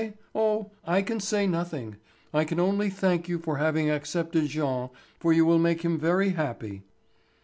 Oh, I can say nothing. I can only thank you for having accepted Jean, for you will make him very happy."